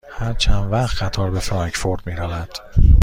هر چند وقت قطار به فرانکفورت می رود؟